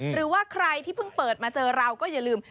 หรือว่าใครที่เพิ่งเปิดมาเจอเราก็อย่าลืม